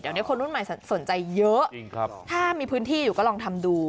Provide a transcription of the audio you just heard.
เดี๋ยวนี้คนรุ่นใหม่สนใจเยอะถ้ามีพื้นที่อยู่ก็ลองทำดู